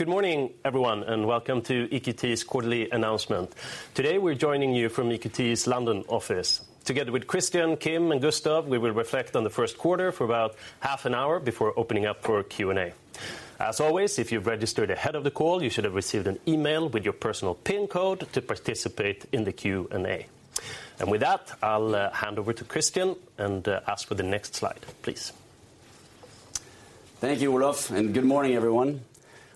Good morning, everyone, and welcome to EQT's quarterly announcement. Today, we're joining you from EQT's London office. Together with Christian, Kim, and Gustav, we will reflect on the Q1 for about half an hour before opening up for Q&A. As always, if you've registered ahead of the call, you should have received an email with your personal PIN code to participate in the Q&A. With that, I'll hand over to Christian and ask for the next slide, please. Thank you, Olof, and good morning, everyone.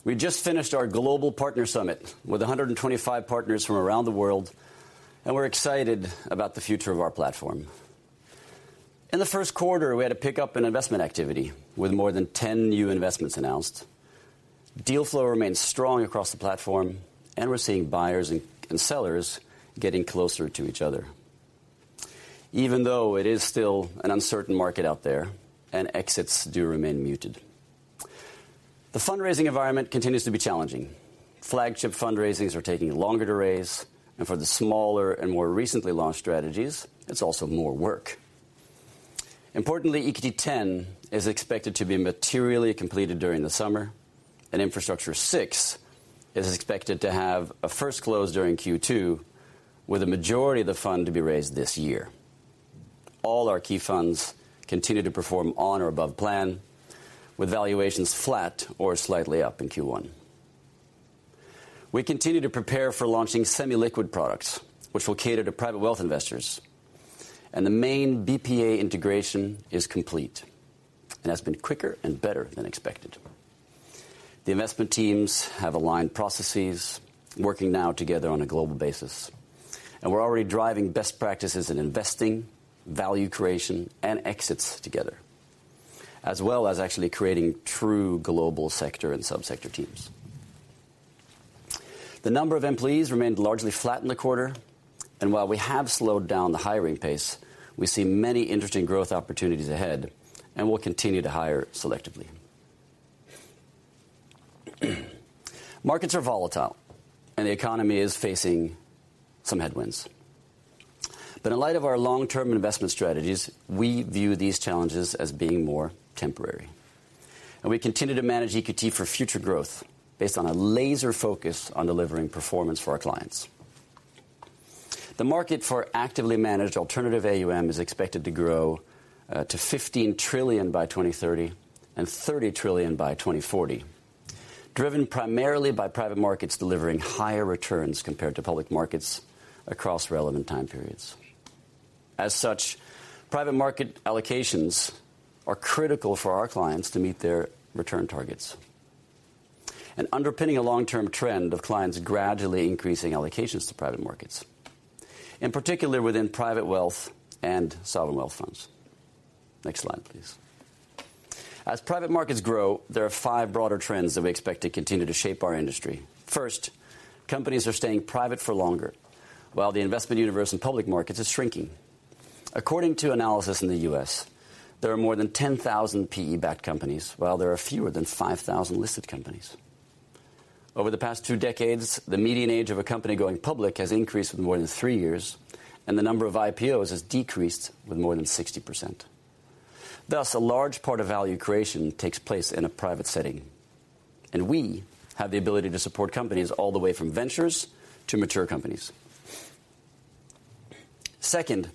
We just finished our global partner summit with 125 partners from around the world, and we're excited about the future of our platform. In the Q1, we had a pick up in investment activity with more than 10 new investments announced. Deal flow remains strong across the platform, and we're seeing buyers and sellers getting closer to each other even though it is still an uncertain market out there and exits do remain muted. The fundraising environment continues to be challenging. Flagship fundraisings are taking longer to raise, and for the smaller and more recently launched strategies, it's also more work. Importantly, EQT X is expected to be materially completed during the summer, and Infrastructure VI is expected to have a first close during Q2 with the majority of the fund to be raised this year. All our key funds continue to perform on or above plan with valuations flat or slightly up in Q1. We continue to prepare for launching semi-liquid products, which will cater to private wealth investors, and the main BPEA integration is complete and has been quicker and better than expected. The investment teams have aligned processes working now together on a global basis, and we're already driving best practices in investing, value creation, and exits together, as well as actually creating true global sector and subsector teams. The number of employees remained largely flat in the quarter, and while we have slowed down the hiring pace, we see many interesting growth opportunities ahead and will continue to hire selectively. Markets are volatile, and the economy is facing some headwinds. In light of our long-term investment strategies, we view these challenges as being more temporary, and we continue to manage EQT for future growth based on a laser focus on delivering performance for our clients. The market for actively managed alternative AUM is expected to grow to $15 trillion by 2030 and $30 trillion by 2040, driven primarily by private markets delivering higher returns compared to public markets across relevant time periods. Private market allocations are critical for our clients to meet their return targets and underpinning a long-term trend of clients gradually increasing allocations to private markets, in particular within private wealth and sovereign wealth funds. Next slide, please. Private markets grow, there are five broader trends that we expect to continue to shape our industry. First, companies are staying private for longer, while the investment universe in public markets is shrinking. According to analysis in the US, there are more than 10,000 PE-backed companies, while there are fewer than 5,000 listed companies. Over the past two decades, the median age of a company going public has increased more than three years, and the number of IPOs has decreased with more than 60%. Thus, a large part of value creation takes place in a private setting, and we have the ability to support companies all the way from ventures to mature companies. Second,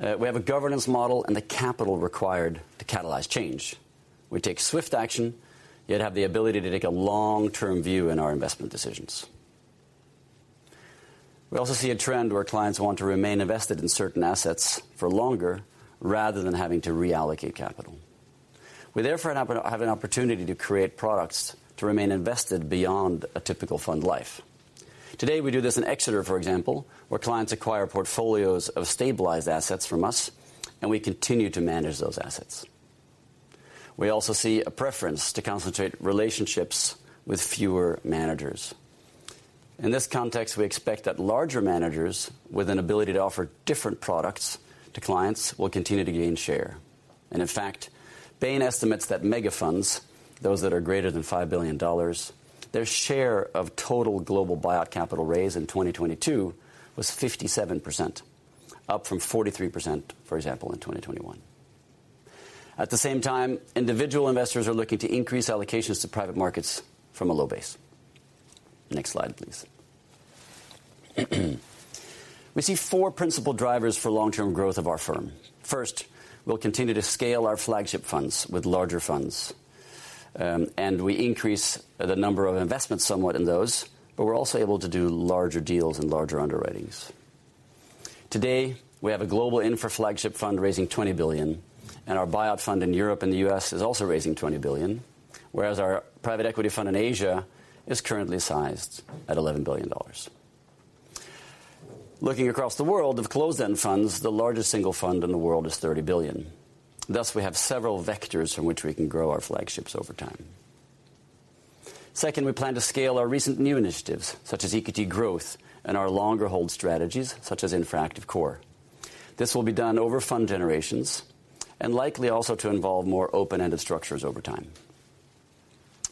we have a governance model and the capital required to catalyze change. We take swift action, yet have the ability to take a long-term view in our investment decisions. We also see a trend where clients want to remain invested in certain assets for longer rather than having to reallocate capital. We therefore have an opportunity to create products to remain invested beyond a typical fund life. Today, we do this in Exeter, for example, where clients acquire portfolios of stabilized assets from us, and we continue to manage those assets. We also see a preference to concentrate relationships with fewer managers. In this context, we expect that larger managers with an ability to offer different products to clients will continue to gain share. In fact, Bain estimates that mega funds, those that are greater than $5 billion, their share of total global buyout capital raise in 2022 was 57%, up from 43%, for example, in 2021. At the same time, individual investors are looking to increase allocations to private markets from a low base. Next slide, please. We see four principal drivers for long-term growth of our firm. First, we'll continue to scale our flagship funds with larger funds, and we increase the number of investments somewhat in those, but we're also able to do larger deals and larger underwritings. Today, we have a global infra flagship fund raising $20 billion, and our buyout fund in Europe and the US is also raising $20 billion, whereas our private equity fund in Asia is currently sized at $11 billion. Looking across the world of closed-end funds, the largest single fund in the world is $30 billion. Thus, we have several vectors from which we can grow our flagships over time. Second, we plan to scale our recent new initiatives, such as EQT Growth and our longer hold strategies, such as Infra Active Core. This will be done over fund generations and likely also to involve more open-ended structures over time.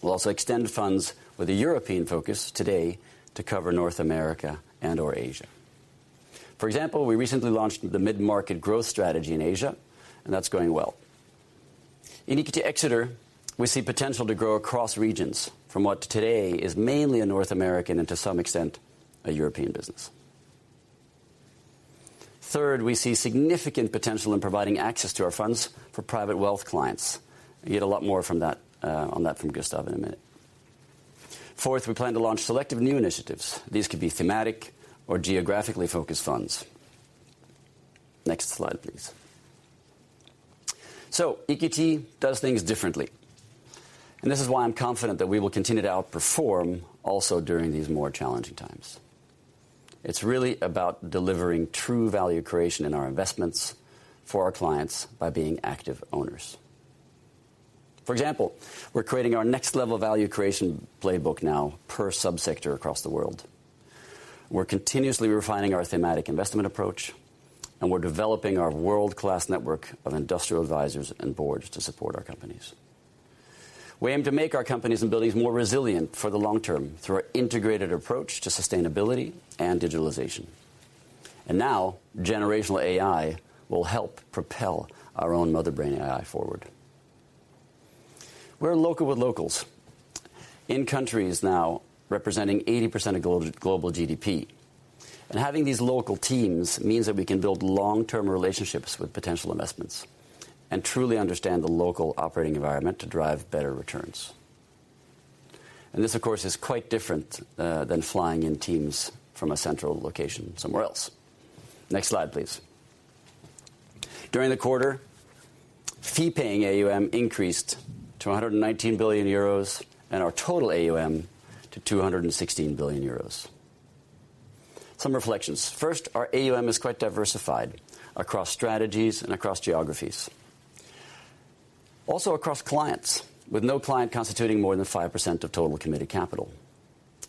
We'll also extend funds with a European focus today to cover North America and/or Asia. For example, we recently launched the mid-market growth strategy in Asia, and that's going well. In EQT Exeter, we see potential to grow across regions from what today is mainly in North American, and to some extent, a European business. Third, we see significant potential in providing access to our funds for private wealth clients. You'll get a lot more from that on that from Gustav in a minute. Fourth, we plan to launch selective new initiatives. These could be thematic or geographically focused funds. Next slide, please. EQT does things differently, and this is why I'm confident that we will continue to outperform also during these more challenging times. It's really about delivering true value creation in our investments for our clients by being active owners. For example, we're creating our next level of value creation playbook now per sub-sector across the world. We're continuously refining our thematic investment approach, we're developing our world-class network of industrial advisors and boards to support our companies. We aim to make our companies and buildings more resilient for the long term through our integrated approach to sustainability and digitalization. Now, generative AI will help propel our own Mother Brain AI forward. We're local with locals in countries now representing 80% of global GDP. Having these local teams means that we can build long-term relationships with potential investments and truly understand the local operating environment to drive better returns. This, of course, is quite different than flying in teams from a central location somewhere else. Next slide, please. During the quarter, fee-paying AUM increased to 119 billion euros, and our total AUM to 216 billion euros. Some reflections. First, our AUM is quite diversified across strategies and across geographies. Also across clients, with no client constituting more than 5% of total committed capital.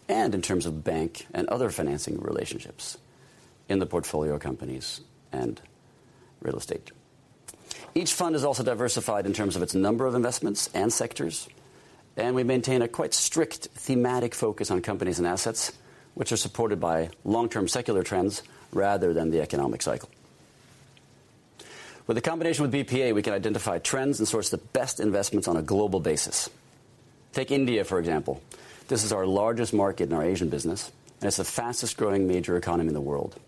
In terms of bank and other financing relationships in the portfolio companies and real estate. Each fund is also diversified in terms of its number of investments and sectors, and we maintain a quite strict thematic focus on companies and assets, which are supported by long-term secular trends rather than the economic cycle. With the combination with BPEA, we can identify trends and source the best investments on a global basis. Take India, for example. This is our largest market in our Asian business, and it's the fastest-growing major economy in the world.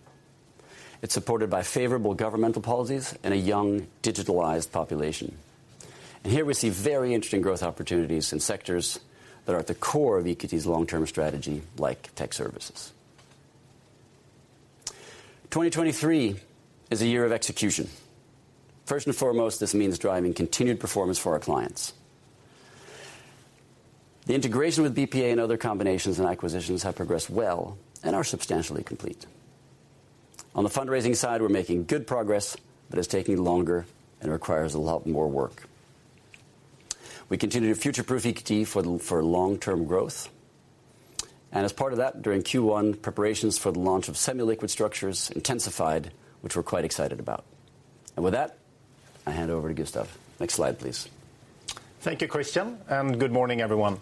It's supported by favorable governmental policies and a young digitalized population. Here we see very interesting growth opportunities in sectors that are at the core of EQT's long-term strategy, like tech services. 2023 is a year of execution. First and foremost, this means driving continued performance for our clients. The integration with BPEA and other combinations and acquisitions have progressed well and are substantially complete. On the fundraising side, we're making good progress, but it's taking longer and requires a lot more work. We continue to future-proof EQT for long-term growth. As part of that, during Q1, preparations for the launch of semi-liquid structures intensified, which we're quite excited about. With that, I hand over to Gustav. Next slide, please. Thank you, Christian. Good morning, everyone.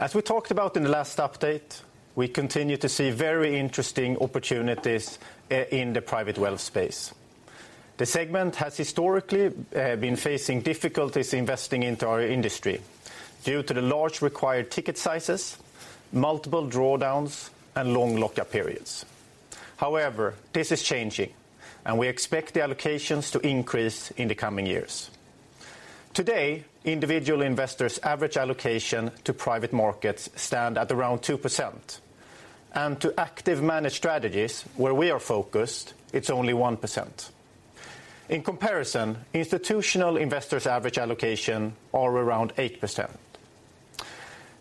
As we talked about in the last update, we continue to see very interesting opportunities in the private wealth space. The segment has historically been facing difficulties investing into our industry due to the large, required ticket sizes, multiple drawdowns, and long lock-up periods. However, this is changing. We expect the allocations to increase in the coming years. Today, individual investors' average allocation to private markets stand at around 2%. To active managed strategies, where we are focused, it's only 1%. In comparison, institutional investors' average allocation are around 8%.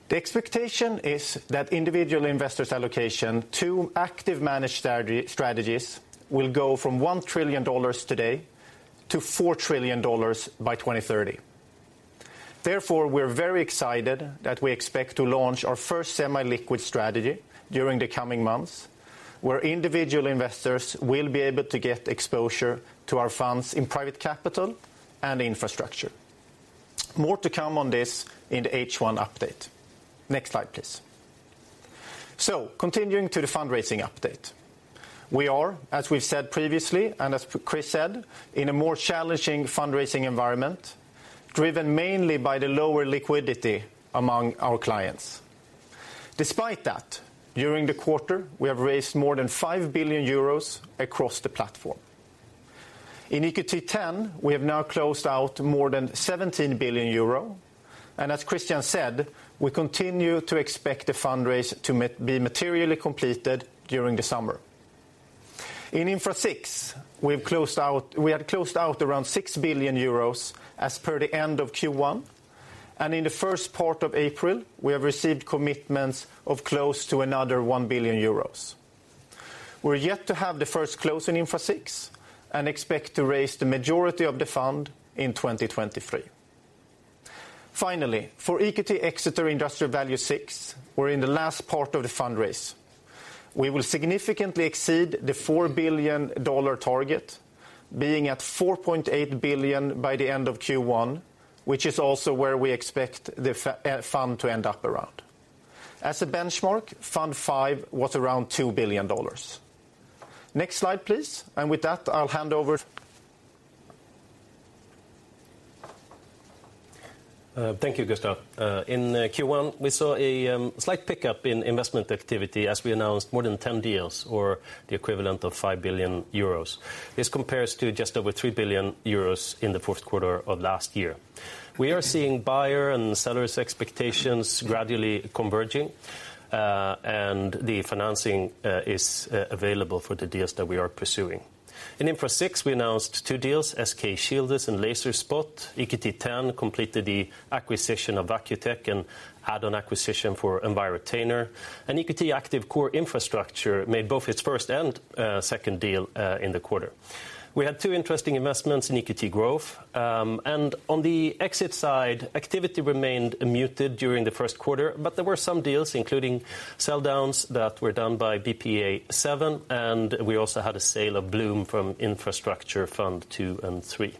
The expectation is that individual investors' allocation to active managed strategies will go from $1 today to 4 trillion by 2030. We're very excited that we expect to launch our first semi-liquid strategy during the coming months, where individual investors will be able to get exposure to our funds in private capital and infrastructure. More to come on this in the H1 update. Next slide, please. Continuing to the fundraising update. We are, as we've said previously and as Chris said, in a more challenging fundraising environment, driven mainly by the lower liquidity among our clients. Despite that, during the quarter, we have raised more than 5 billion euros across the platform. In EQT X, we have now closed out more than 17 billion euro, and as Christian said, we continue to expect the fundraise to be materially completed during the summer. In Infra VI, we've closed out... We had closed out around 6 billion euros as per the end of Q1. In the first part of April, we have received commitments of close to another 1 billion euros. We're yet to have the first close in Infra VI and expect to raise the majority of the fund in 2023. Finally, for EQT Exeter Industrial Value VI, we're in the last part of the fundraise. We will significantly exceed the $4 billion target, being at $4.8 billion by the end of Q1, which is also where we expect the fund to end up around. As a benchmark, Fund five was around $2 billion. Next slide, please. With that, I'll hand over. Thank you, Gustav. In Q1, we saw a slight pickup in investment activity as we announced more than 10 deals or the equivalent of 5 billion euros. This compares to just over 3 billion euros in the Q4 of last year. We are seeing buyer and seller's expectations gradually converging, and the financing is available for the deals that we are pursuing. In Infra VI, we announced two deals, SK Shieldus and Lazer Logistics. EQT X completed the acquisition of AcuTec and had an acquisition for Envirotainer. EQT Active Core Infrastructure made both its first and second deal in the quarter. We had two interesting investments in EQT Growth. On the exit side, activity remained muted during the Q1, but there were some deals including sell downs that were done by BPEA VII, and we also had a sale of Blume from Infrastructure Fund II and III.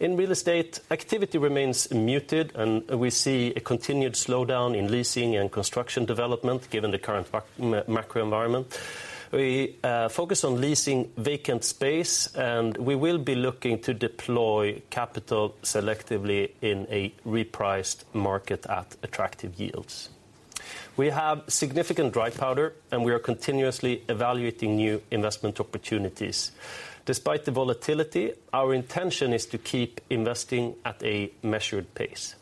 In real estate, activity remains muted, and we see a continued slowdown in leasing and construction development given the current macro environment. We focus on leasing vacant space, and we will be looking to deploy capital selectively in a repriced market at attractive yields. We have significant dry powder, and we are continuously evaluating new investment opportunities. Despite the volatility, our intention is to keep investing at a measured pace.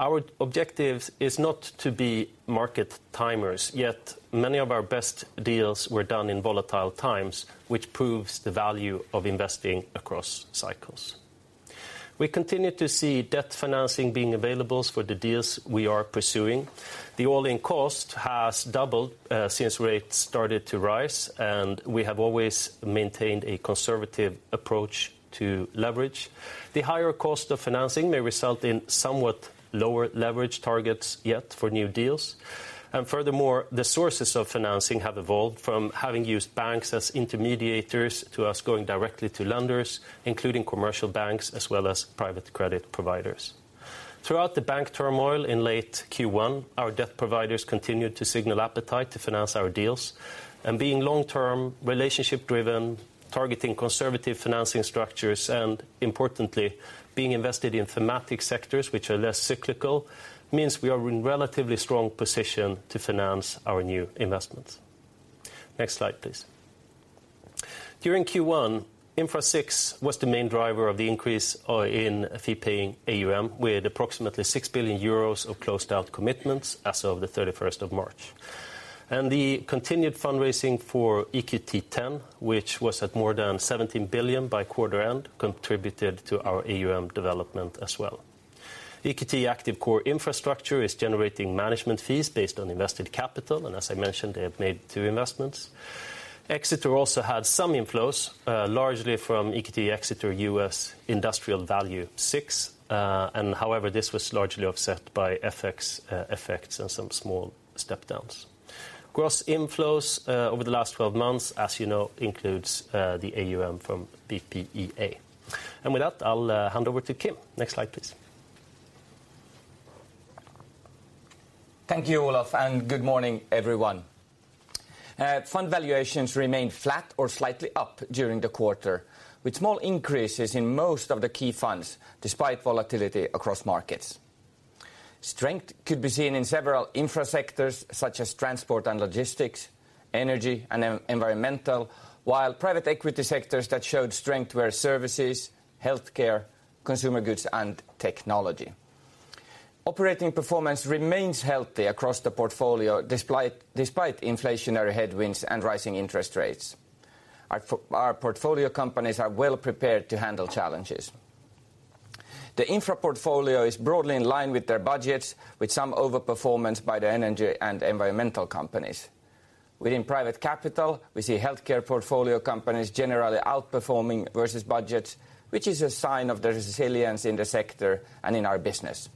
Our objective is not to be market timers, yet many of our best deals were done in volatile times, which proves the value of investing across cycles. We continue to see debt financing being available for the deals we are pursuing. The all-in cost has doubled since rates started to rise, and we have always maintained a conservative approach to leverage. The higher cost of financing may result in somewhat lower leverage targets yet for new deals. Furthermore, the sources of financing have evolved from having used banks as intermediators to us going directly to lenders, including commercial banks as well as private credit providers. Throughout the bank turmoil in late Q1, our debt providers continued to signal appetite to finance our deals and being long term, relationship driven, targeting conservative financing structures, and importantly, being invested in thematic sectors which are less cyclical, means we are in relatively strong position to finance our new investments. Next slide, please. During Q1, Infra VI was the main driver of the increase in fee paying AUM, with approximately 6 billion euros of closed out commitments as of the 31st of March. The continued fundraising for EQT X, which was at more than 17 billion by quarter end, contributed to our AUM development as well. EQT Active Core Infrastructure is generating management fees based on invested capital, and as I mentioned, they have made 2 investments. Exeter also had some inflows, largely from EQT Exeter US Industrial Value Fund VI. However, this was largely offset by FX effects and some small step downs. Gross inflows over the last 12 months, as you know, includes the AUM from BPEA. With that, I'll hand over to Kim. Next slide, please. Thank you, Olof, good morning, everyone. Fund valuations remained flat or slightly up during the quarter, with small increases in most of the key funds despite volatility across markets. Strength could be seen in several Infra sectors such as transport and logistics, energy and environmental, while private equity sectors that showed strength were services, healthcare, consumer goods and technology. Operating performance remains healthy across the portfolio, despite inflationary headwinds and rising interest rates. Our portfolio companies are well prepared to handle challenges. The Infra portfolio is broadly in line with their budgets, with some overperformance by the energy and environmental companies. Within private capital, we see healthcare portfolio companies generally outperforming versus budgets, which is a sign of the resilience in the sector and in our business.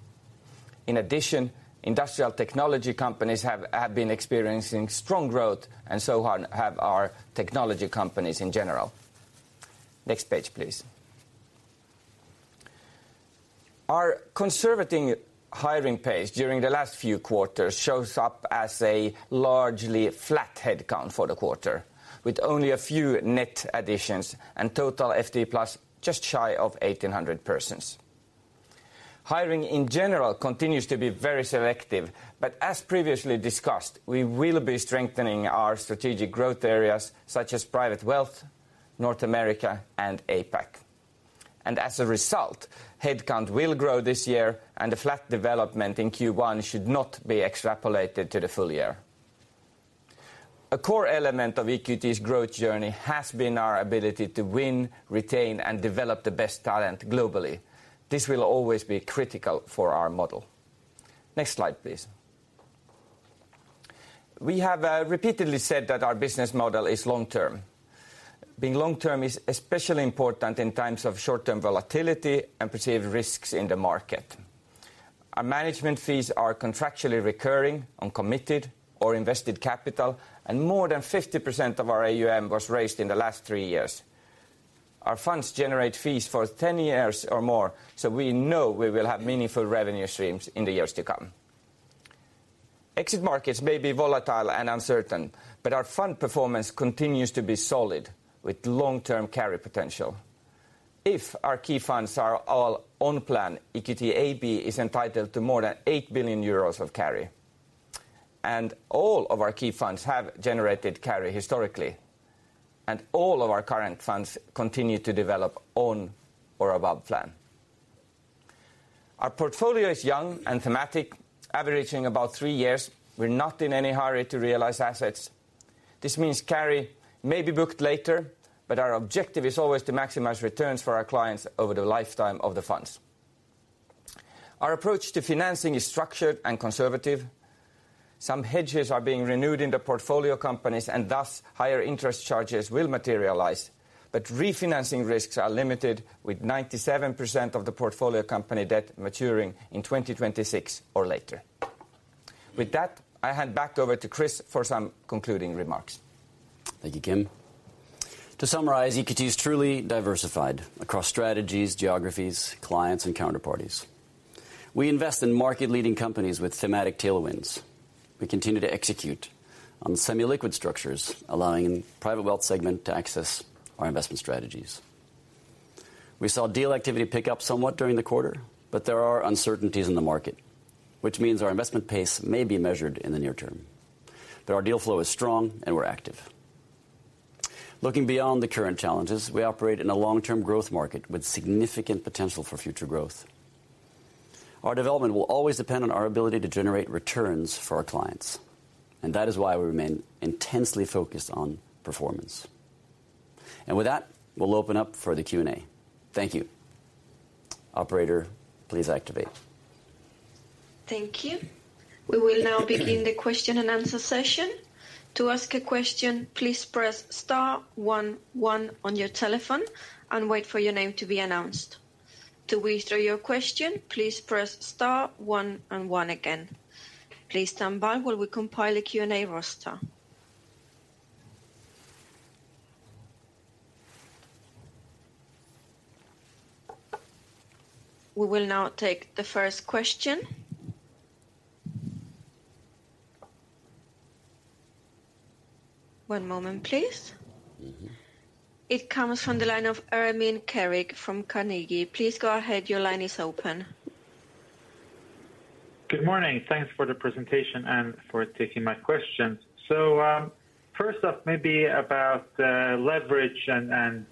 In addition, industrial technology companies have been experiencing strong growth and so have our technology companies in general. Next page, please. Our conservative hiring pace during the last few quarters shows up as a largely flat headcount for the quarter, with only a few net additions and total FTE plus just shy of 1,800 persons. Hiring in general continues to be very selective. As previously discussed, we will be strengthening our strategic growth areas such as private wealth, North America and APAC. As a result, headcount will grow this year and the flat development in Q1 should not be extrapolated to the full year. A core element of EQT's growth journey has been our ability to win, retain and develop the best talent globally. This will always be critical for our model. Next slide, please. We have repeatedly said that our business model is long-term. Being long-term is especially important in times of short-term volatility and perceived risks in the market. Our management fees are contractually recurring on committed or invested capital, and more than 50% of our AUM was raised in the last three years. Our funds generate fees for 10 years or more, so we know we will have meaningful revenue streams in the years to come. Exit markets may be volatile and uncertain, but our fund performance continues to be solid with long-term carry potential. If our key funds are all on plan, EQT AB is entitled to more than 8 billion euros of carry, and all of our key funds have generated carry historically, and all of our current funds continue to develop on or above plan. Our portfolio is young and thematic, averaging about three years. We're not in any hurry to realize assets. This means carry may be booked later, but our objective is always to maximize returns for our clients over the lifetime of the funds. Our approach to financing is structured and conservative. Some hedges are being renewed in the portfolio companies, and thus higher interest charges will materialize, but refinancing risks are limited with 97% of the portfolio company debt maturing in 2026 or later. With that, I hand back over to Chris for some concluding remarks. Thank you, Kim. To summarize, EQT is truly diversified across strategies, geographies, clients, and counterparties. We invest in market-leading companies with thematic tailwinds. We continue to execute on semi-liquid structures, allowing private wealth segment to access our investment strategies. We saw deal activity pick up somewhat during the quarter, but there are uncertainties in the market, which means our investment pace may be measured in the near term. Our deal flow is strong, and we're active. Looking beyond the current challenges, we operate in a long-term growth market with significant potential for future growth. Our development will always depend on our ability to generate returns for our clients, and that is why we remain intensely focused on performance. With that, we'll open up for the Q&A. Thank you. Operator, please activate. Thank you. We will now begin the question and answer session. To ask a question, please press star one one on your telephone and wait for your name to be announced. To withdraw your question, please press star one and one again. Please stand by while we compile a Q&A roster. We will now take the first question. One moment, please. It comes from the line of Ermin Keric from Carnegie. Please go ahead. Your line is open. Good morning. Thanks for the presentation and for taking my questions. First off, maybe about the leverage and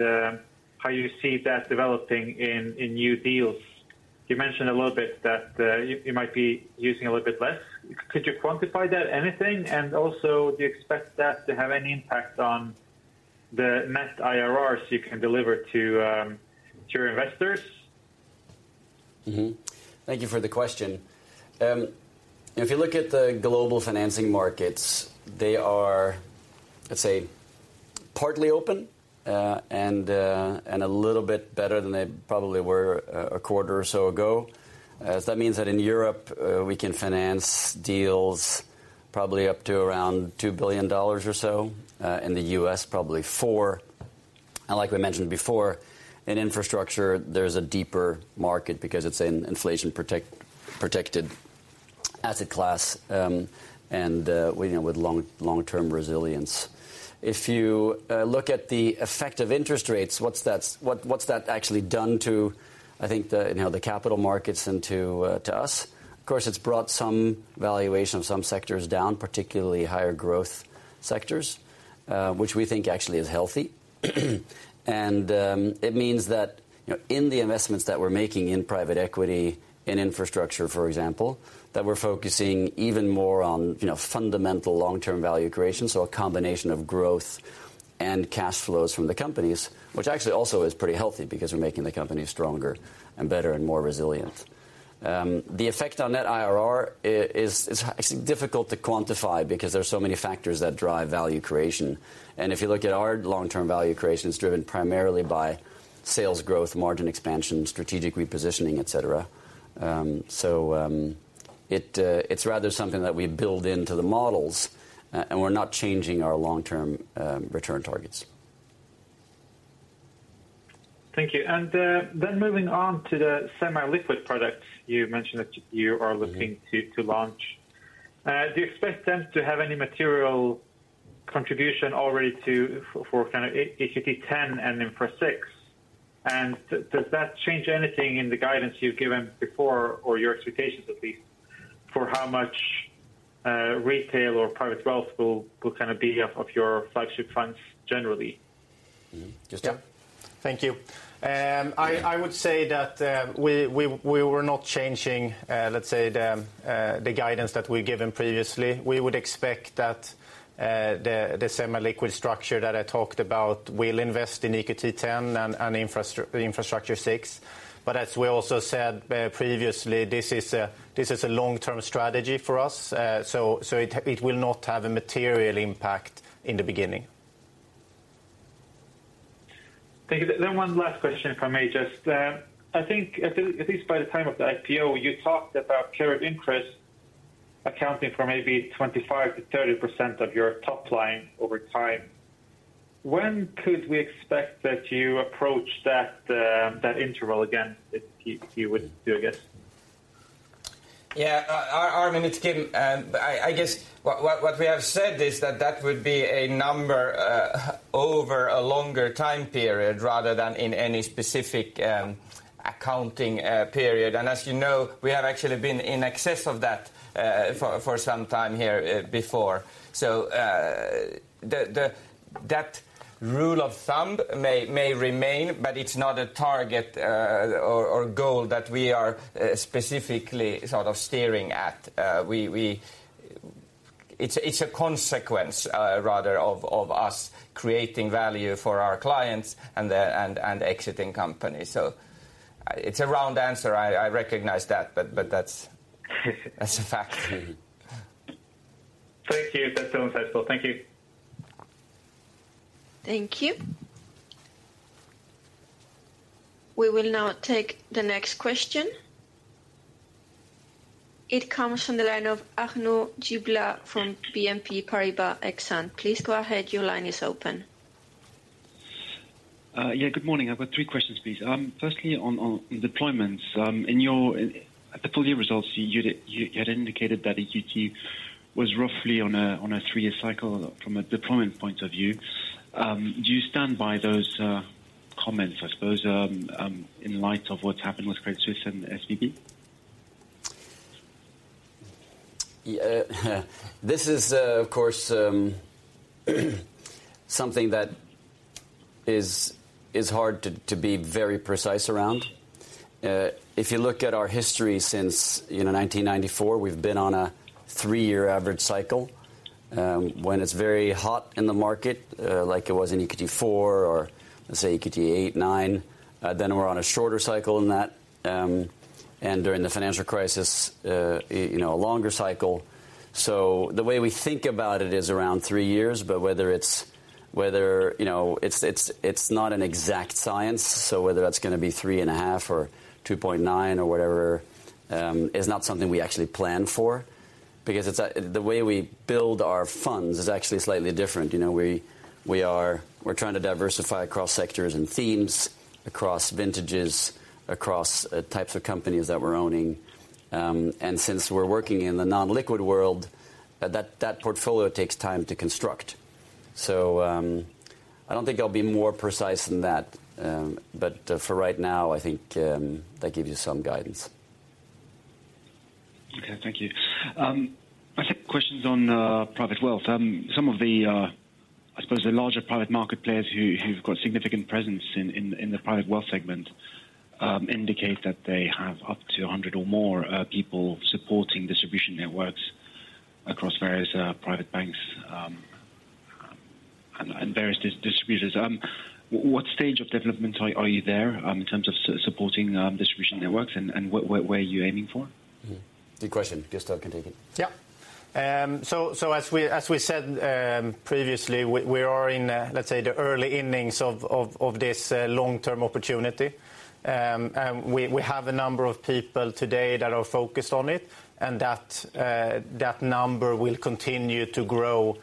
how you see that developing in new deals. You mentioned a little bit that you might be using a little bit less. Could you quantify that anything? Do you expect that to have any impact on the net IRRs you can deliver to your investors? Mm-hmm. Thank you for the question. If you look at the global financing markets, they are, let's say, partly open, and a little bit better than they probably were a quarter or so ago. That means that in Europe, we can finance deals probably up to around $2 billion or so, in the US, probably $4 billion. Like we mentioned before, in infrastructure, there's a deeper market because it's an inflation protected asset class, and, you know, with long, long-term resilience. If you look at the effect of interest rates, what's that actually done to, I think the, you know, the capital markets and to us? Of course, it's brought some valuation of some sectors down, particularly higher growth sectors, which we think actually is healthy. It means that, you know, in the investments that we're making in private equity and infrastructure, for example, that we're focusing even more on, you know, fundamental long-term value creation, so a combination of growth and cash flows from the companies, which actually also is pretty healthy because we're making the company stronger and better and more resilient. The effect on net IRR is actually difficult to quantify because there's so many factors that drive value creation. If you look at our long-term value creation, it's driven primarily by sales growth, margin expansion, strategic repositioning, et cetera. It's rather something that we build into the models, and we're not changing our long-term return targets. Thank you. Moving on to the semi-liquid product you mentioned that you are looking to launch. Do you expect them to have any material contribution already for kind of EQT X and Infra VI? Does that change anything in the guidance you've given before or your expectations at least for how much retail or private wealth will kind of be of your flagship funds generally? Mm-hmm. Gustav? Yeah. Thank you. I would say that we were not changing, let's say the guidance that we've given previously. We would expect that the semi-liquid structure that I talked about will invest in EQT X and Infrastructure 6. As we also said, previously, this is a long-term strategy for us. It will not have a material impact in the beginning. Thank you. One last question, if I may just, I think by the time of the IPO, you talked about carried interest. Accounting for maybe 25% to 30% of your top line over time. When could we expect that you approach that interval again, if you would do a guess? Yeah. Armin, it's Kim. I guess what we have said is that that would be a number over a longer time period rather than in any specific accounting period. As you know, we have actually been in excess of that for some time here before. That rule of thumb may remain, but it's not a target or goal that we are specifically sort of steering at. It's a consequence rather of us creating value for our clients and exiting companies. It's a round answer. I recognize that, but that's a fact. Thank you. That's all I said. Thank you. Thank you. We will now take the next question. It comes from the line of Arnaud Giblat from BNP Paribas Exane. Please go ahead. Your line is open. Yeah. Good morning. I've got 3 questions, please. Firstly, on deployments, at the full year results, you had indicated that EQT was roughly on a 3-year cycle from a deployment point of view. Do you stand by those comments, I suppose, in light of what's happened with Credit Suisse and SBB? Yeah. This is, of course, something that is hard to be very precise around. If you look at our history since, you know, 1994, we've been on a 3-year average cycle. When it's very hot in the market, like it was in EQT IV or let's say EQT VIII, IX, then we're on a shorter cycle than that. During the financial crisis, you know, a longer cycle. The way we think about it is around 3 years. You know, it's not an exact science, so whether that's going to be 3.5 or 2.9 or whatever, is not something we actually plan for because the way we build our funds is actually slightly different. You know, we're trying to diversify across sectors and themes, across vintages, across types of companies that we're owning. Since we're working in the non-liquid world, that portfolio takes time to construct. I don't think I'll be more precise than that. For right now, I think, that gives you some guidance. Okay. Thank you. I have questions on private wealth. Some of the, I suppose the larger private market players who's got significant presence in the private wealth segment, indicate that they have up to a 100 or more people supporting distribution networks across various private banks, and various distributors. What stage of development are you there in terms of supporting distribution networks? What, where are you aiming for? Mm-hmm. Good question. Gustav can take it. Yeah. As we said previously, we are in, let's say the early innings of this long-term opportunity. We have a number of people today that are focused on it, that number will continue to grow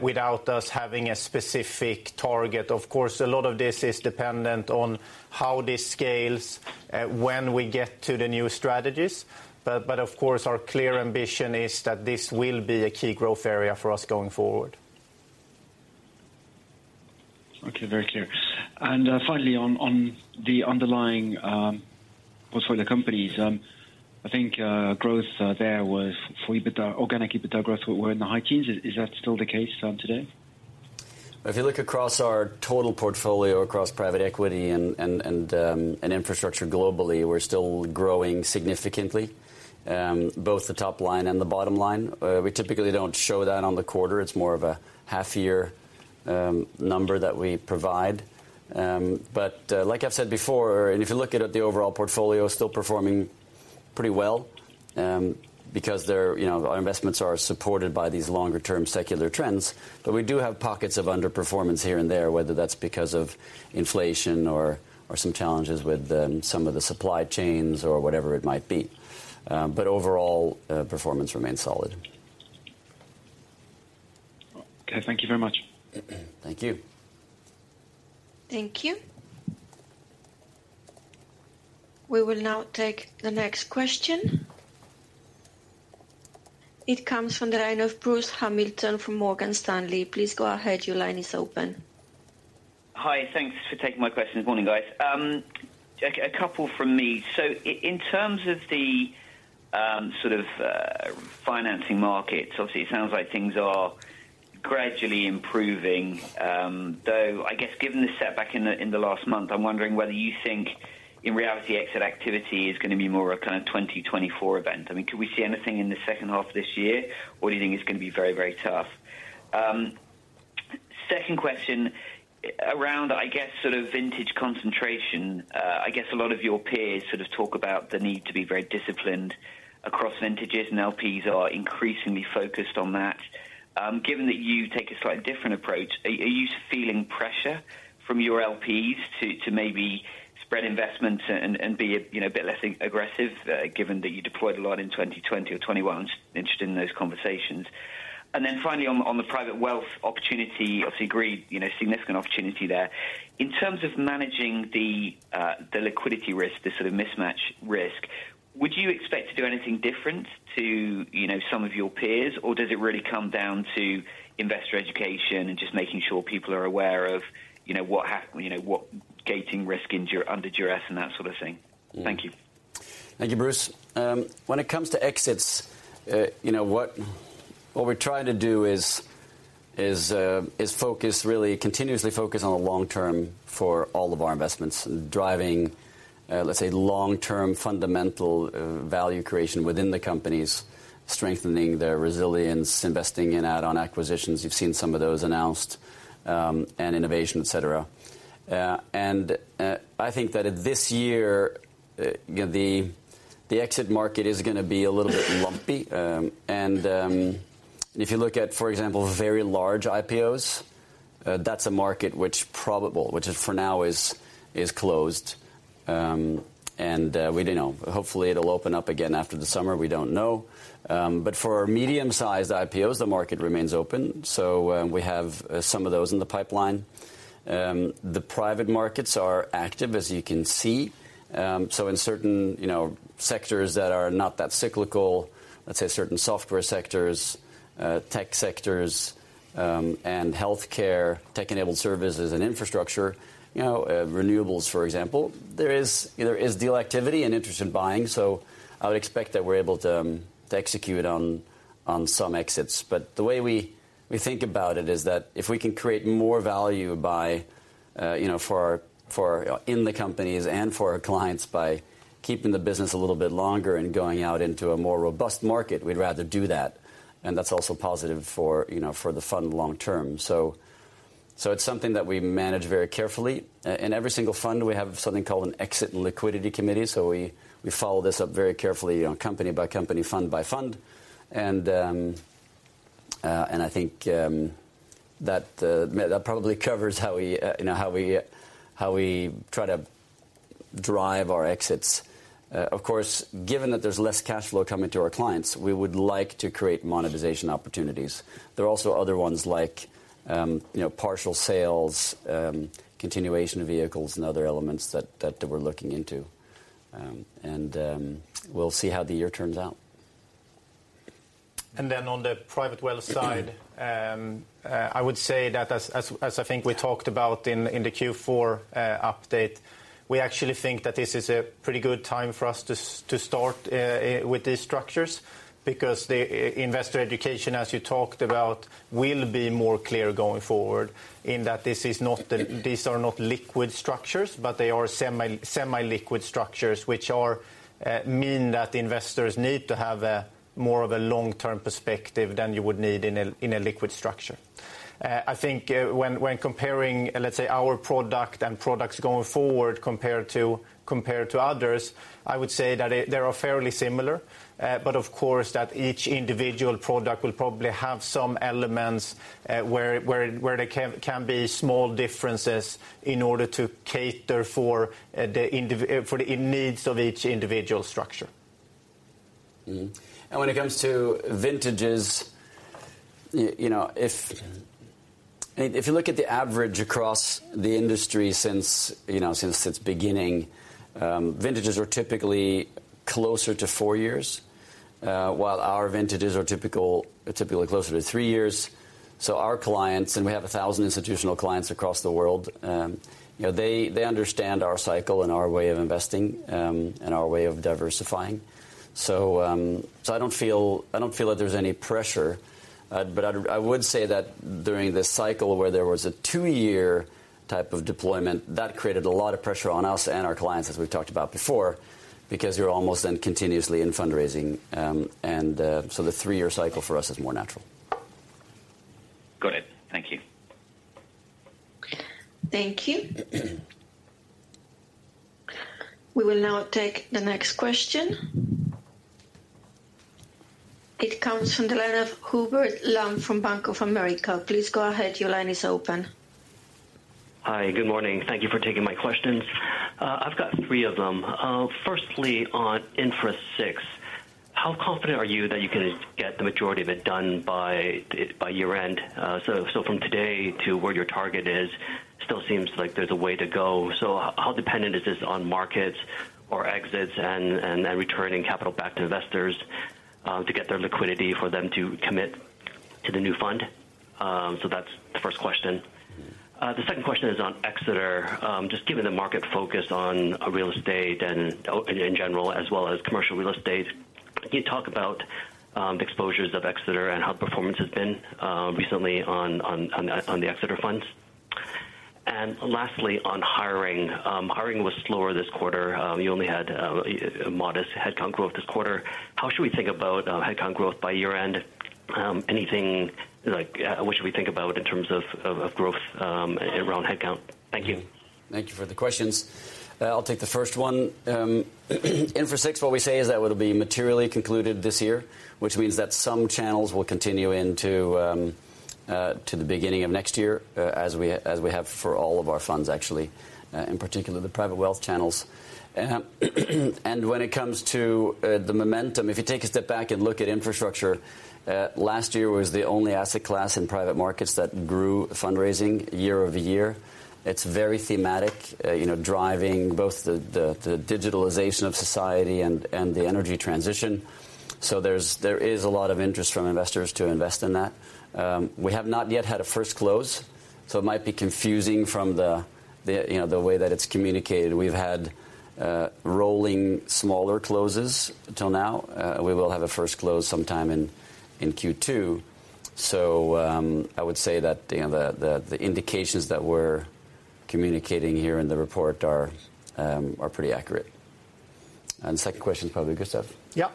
without us having a specific target. Of course, a lot of this is dependent on how this scales, when we get to the new strategies. Of course our clear ambition is that this will be a key growth area for us going forward. Okay. Very clear. Finally on the underlying, portfolio companies. I think, growth, there was full EBITDA, organic EBITDA growth were in the high teens. Is that still the case, today? If you look across our total portfolio across private equity and infrastructure globally, we're still growing significantly, both the top line and the bottom line. We typically don't show that on the quarter. It's more of a half year number that we provide. Like I've said before, and if you look at it, the overall portfolio is still performing pretty well, because they're, you know... our investments are supported by these longer term secular trends. We do have pockets of underperformance here and there, whether that's because of inflation or some challenges with some of the supply chains or whatever it might be. Overall, performance remains solid. Okay. Thank you very much. Thank you. Thank you. We will now take the next question. It comes from the line of Bruce Hamilton from Morgan Stanley. Please go ahead. Your line is open. Hi. Thanks for taking my question. Morning, guys. A couple from me. In terms of the financing markets, obviously it sounds like things are gradually improving. Though I guess given the setback in the last month, I'm wondering whether you think in reality exit activity is going to be more a kind of 2024 event. I mean, could we see anything in the second half of this year? Do you think it's going to be very, very tough? Second question around, I guess, vintage concentration. I guess a lot of your peers sort of talk about the need to be very disciplined across vintages, and LPs are increasingly focused on that. Given that you take a slight different approach, are you feeling pressure from your LPs to maybe spread investments and be a, you know, a bit less aggressive, given that you deployed a lot in 2020 or 2021? Just interested in those conversations. Finally on the private wealth opportunity, obviously agreed, you know, significant opportunity there. In terms of managing the liquidity risk, the sort of mismatch risk, would you expect to do anything different to, you know, some of your peers? Does it really come down to investor education and just making sure people are aware of, you know, what gating risk under duress and that sort of thing? Thank you. Thank you, Bruce. When it comes to exits, you know, what we try to do is focus really continuously focus on the long term for all of our investments, driving, let's say long-term fundamental value creation within the companies, strengthening their resilience, investing in add-on acquisitions, you've seen some of those announced, and innovation, et cetera. I think that this year, you know, the exit market is going to be a little bit lumpy. If you look at, for example, very large IPOs, that's a market which is for now closed. We didn't know. Hopefully it'll open up again after the summer. We don't know. For our medium-sized IPOs, the market remains open. We have some of those in the pipeline. The private markets are active, as you can see. In certain, you know, sectors that are not that cyclical, let's say certain software sectors, tech sectors, and healthcare, tech-enabled services and infrastructure, you know, renewables for example, there is deal activity and interest in buying. I would expect that we're able to execute on some exits. The way we think about it is that if we can create more value by, you know, for, in the companies and for our clients by keeping the business a little bit longer and going out into a more robust market, we'd rather do that. That's also positive for, you know, for the fund long term. It's something that we manage very carefully. In every single fund we have something called an exit and liquidity committee. We follow this up very carefully on company by company, fund by fund. I think that probably covers how we, you know, try to drive our exits. Of course, given that there's less cash flow coming to our clients, we would like to create monetization opportunities. There are also other ones like, you know, partial sales, continuation vehicles and other elements that we're looking into. We'll see how the year turns out. On the private wealth side, I would say that as I think we talked about in the Q4 update, we actually think that this is a pretty good time for us to start with these structures because the investor education, as you talked about, will be more clear going forward in that these are not liquid structures but they are semi-liquid structures which mean that investors need to have more of a long-term perspective than you would need in a liquid structure. I think when comparing let's say our product and products going forward compared to others, I would say that they are fairly similar. Of course that each individual product will probably have some elements at where there can be small differences in order to cater for the needs of each individual structure. When it comes to vintages, you know, if you look at the average across the industry since, you know, since its beginning, vintages are typically closer to 4 years, while our vintages are typically closer to 3 years. Our clients, and we have 1,000 institutional clients across the world, you know, they understand our cycle and our way of investing and our way of diversifying. I don't feel that there's any pressure. I would say that during this cycle where there was a 2-year type of deployment, that created a lot of pressure on us and our clients, as we've talked about before because you're almost then continuously in fundraising. The 3-year cycle for us is more natural. Got it. Thank you. Thank you. We will now take the next question. It comes from the line of Hubert Lam from Bank of America. Please go ahead. Your line is open. Hi. Good morning. Thank you for taking my questions. I've got three of them. Firstly on Infra VI, how confident are you that you can get the majority of it done by year-end? From today to where your target is still seems like there's a way to go. How dependent is this on markets or exits and returning capital back to investors to get their liquidity for them to commit to the new fund? That's the first question. The second question is on Exeter. Just given the market focus on real estate and in general as well as commercial real estate, can you talk about exposures of Exeter and how performance has been recently on the Exeter funds? Lastly on hiring. Hiring was slower this quarter. You only had a modest headcount growth this quarter. How should we think about headcount growth by year-end? Anything like what should we think about in terms of growth around headcount? Thank you. Thank you for the questions. I'll take the first one. Infra VI, what we say is that it'll be materially concluded this year, which means that some channels will continue into to the beginning of next year, as we have for all of our funds, actually, in particular, the private wealth channels. When it comes to the momentum, if you take a step back and look at infrastructure, last year was the only asset class in private markets that grew fundraising year-over-year. It's very thematic, you know, driving both the digitalization of society and the energy transition. There is a lot of interest from investors to invest in that. We have not yet had a first close, so it might be confusing from the, you know, the way that it's communicated. We've had rolling smaller closes till now. We will have a first close sometime in Q2. I would say that, you know, the indications that we're communicating here in the report are pretty accurate. Second question is probably Gustaf. Yeah.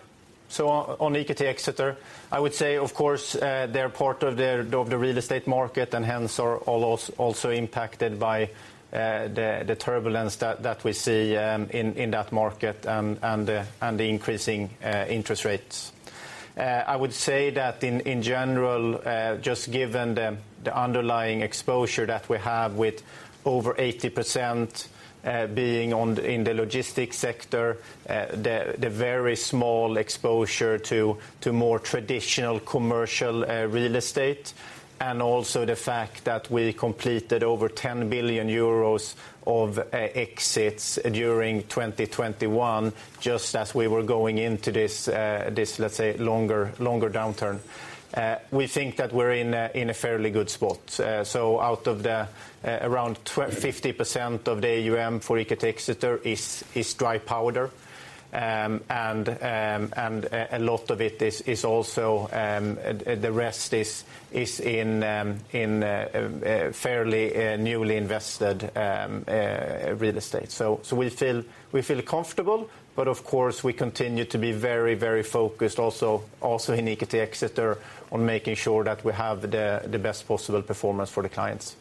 On, on EQT Exeter, I would say, of course, they're part of the, of the real estate market, and hence are also impacted by the turbulence that we see in that market and the, and the increasing interest rates. I would say that in general, just given the underlying exposure that we have with over 80%, being in the logistics sector, the very small exposure to more traditional commercial real estate, and also the fact that we completed over 10 billion euros of exits during 2021 just as we were going into this, let's say, longer downturn, we think that we're in a, in a fairly good spot. Out of the, around 50% of the AUM for EQT Exeter is dry powder. A lot of it is also, the rest is in, fairly, newly invested, real estate. We feel comfortable, but of course, we continue to be very, very focused also in EQT Exeter on making sure that we have the best possible performance for the clients.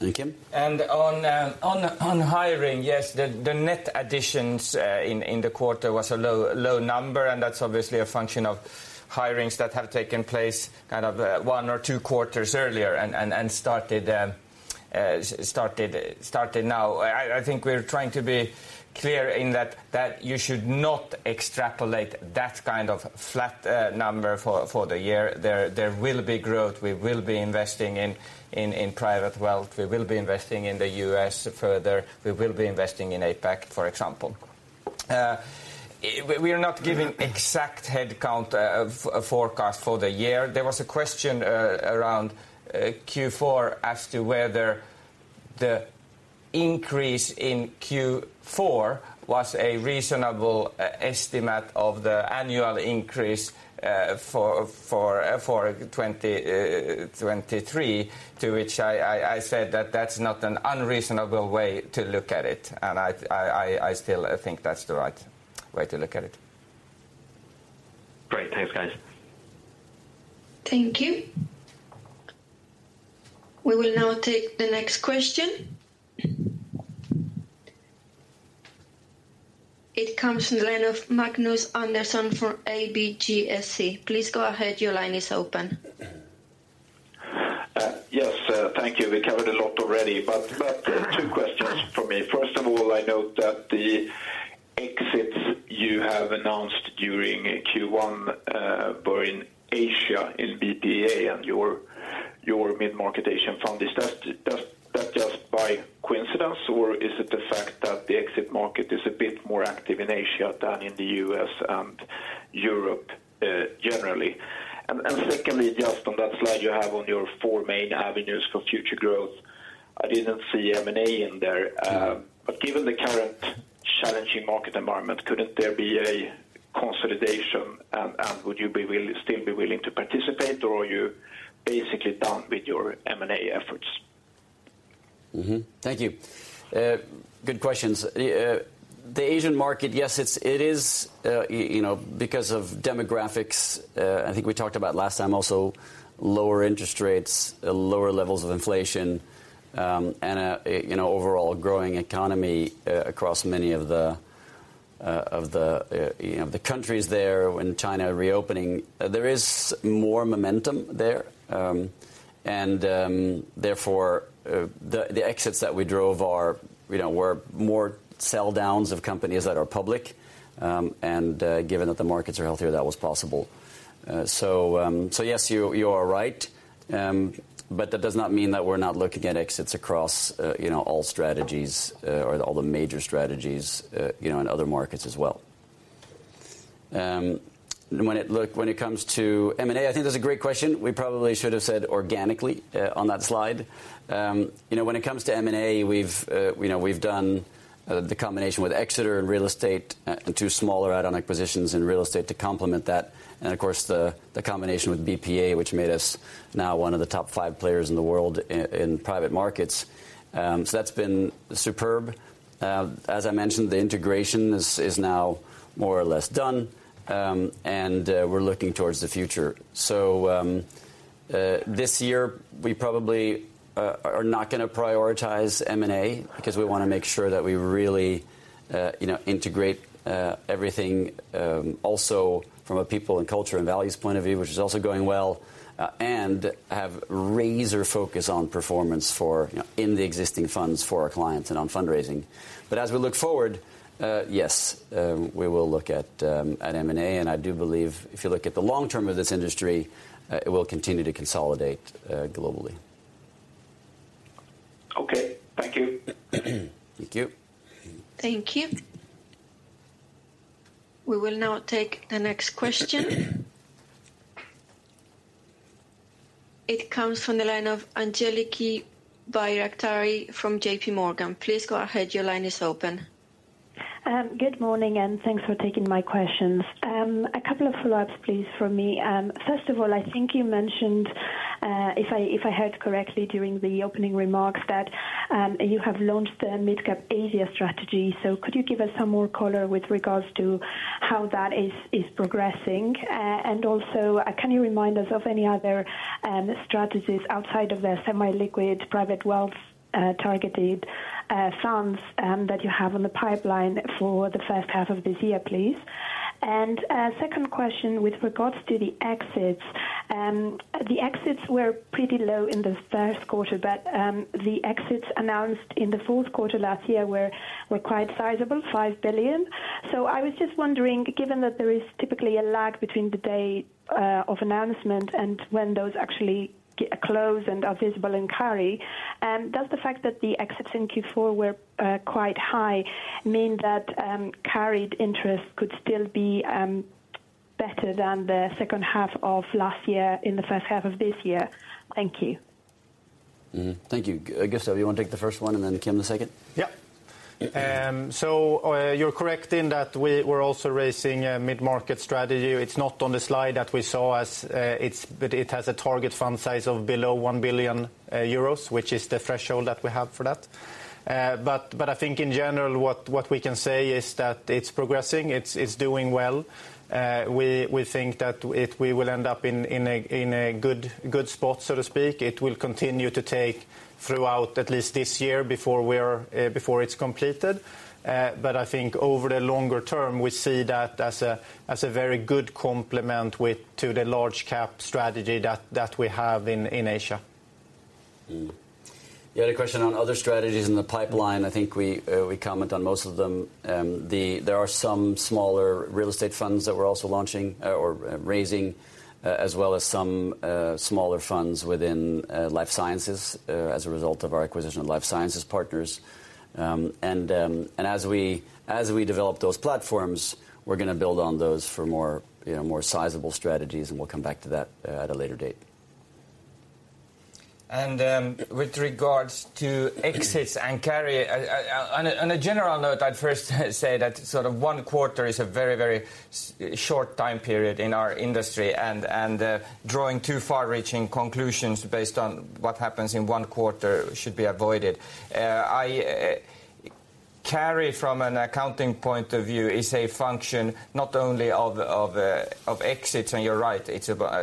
Mm-hmm. Kim? On hiring, yes, the net additions in the quarter was a low number, and that's obviously a function of hirings that have taken place kind of one or two quarters earlier and started now. I think we're trying to be clear in that you should not extrapolate that kind of flat number for the year. There will be growth. We will be investing in private wealth. We will be investing in the US further. We will be investing in APAC, for example. We are not giving exact headcount forecast for the year. There was a question, around Q4 as to whether the increase in Q4 was a reasonable estimate of the annual increase, for 2023, to which I said that that's not an unreasonable way to look at it. I still think that's the right way to look at it. Great. Thanks, guys. Thank you. We will now take the next question. It comes from the line of Magnus Andersson from ABGSC. Please go ahead. Your line is open. Yes, thank you. We covered a lot already, but two questions from me. First of all, I note that the exits you have announced during Q-one were in Asia in BPA and your mid-market Asian fund. Is that just by coincidence, or is it the fact that the exit market is a bit more active in Asia than in the US and Europe generally? Secondly, just on that slide you have on your four main avenues for future growth, I didn't see M&A in there. Given the current challenging market environment, couldn't there be a consolidation, and would you still be willing to participate, or are you basically done with your M&A efforts? Thank you. Good questions. The Asian market, yes, it's, it is, you know, because of demographics, I think we talked about last time also lower interest rates, lower levels of inflation, and a, you know, overall growing economy across many of the, of the, you know, the countries there when China reopening, there is more momentum there. Therefore, the exits that we drove are, you know, were more sell downs of companies that are public, given that the markets are healthier, that was possible. Yes, you are right. That does not mean that we're not looking at exits across, you know, all strategies, or all the major strategies, you know, in other markets as well. When it comes to M&A, I think that's a great question. We probably should have said organically on that slide. You know, when it comes to M&A, we've, you know, we've done the combination with Exeter in real estate and 2 smaller add-on acquisitions in real estate to complement that. Of course, the combination with BPEA, which made us now one of the top 5 players in the world in private markets. That's been superb. As I mentioned, the integration is now more or less done, and we're looking towards the future. This year we probably are not going to prioritize M&A because we want to make sure that we really, you know, integrate everything also from a people and culture and values point of view, which is also going well and have razor focus on performance for, you know, in the existing funds for our clients and on fundraising. As we look forward, yes, we will look at M&A, and I do believe if you look at the long term of this industry, it will continue to consolidate globally. Okay. Thank you. Thank you. Thank you. We will now take the next question. It comes from the line of Angeliki Bairaktari from J.P. Morgan. Please go ahead. Your line is open. Good morning, thanks for taking my questions. A couple of follow-ups, please, from me. First of all, I think you mentioned, if I heard correctly during the opening remarks that you have launched the Midcap Asia strategy. Could you give us some more color with regards to how that is progressing? Also, can you remind us of any other strategies outside of the semi-liquid private wealth targeted funds that you have on the pipeline for the first half of this year, please? Second question with regards to the exits, the exits were pretty low in the Q1, the exits announced in the Q4 last year were quite sizable, $5 billion. I was just wondering, given that there is typically a lag between the day of announcement and when those actually close and are visible in carry, does the fact that the exits in Q4 were quite high mean that carried interest could still be better than the second half of last year in the first half of this year? Thank you. Mm-hmm. Thank you. Gustaf, you want to take the first one and then Kim the second? You're correct in that we're also raising a mid-market strategy. It's not on the slide that we saw as it has a target fund size of below 1 billion euros, which is the threshold that we have for that. I think in general what we can say is that it's progressing. It's doing well. We think that we will end up in a good spot, so to speak. It will continue to take throughout at least this year before we're before it's completed. I think over the longer term we see that as a very good complement to the large cap strategy that we have in Asia. The other question on other strategies in the pipeline, I think we comment on most of them. There are some smaller real estate funds that we're also launching or raising, as well as some smaller funds within life sciences, as a result of our acquisition of Life Sciences Partners. As we develop those platforms, we're going to build on those for more, you know, more sizable strategies, and we'll come back to that at a later date. With regards to exits and carry, on a general note, I'd first say that sort of one quarter is a very short time period in our industry, and drawing too far-reaching conclusions based on what happens in one quarter should be avoided. Carry from an accounting point of view is a function not only of exits, and you're right, it's about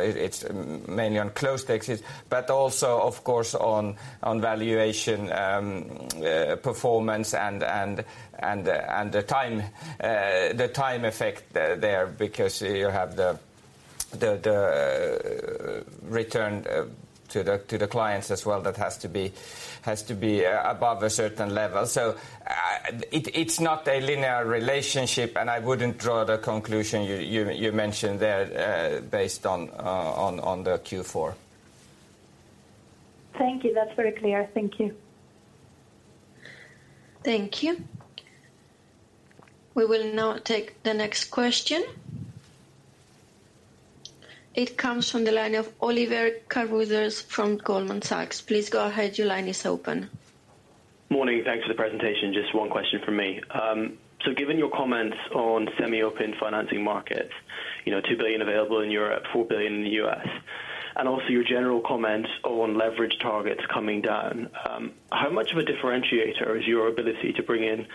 mainly on closed exits, but also of course on valuation, performance and the time, the time effect there because you have the return to the clients as well that has to be above a certain level. It's not a linear relationship, and I wouldn't draw the conclusion you mentioned there, based on the Q4. Thank you. That's very clear. Thank you. Thank you. We will now take the next question. It comes from the line of Oliver Carruthers from Goldman Sachs. Please go ahead. Your line is open. Morning. Thanks for the presentation. Just one question from me. Given your comments on semi-open financing markets, you know, 2 billion available in Europe, $4 billion in the US, and also your general comments on leverage targets coming down, how much of a differentiator is your ability to bring in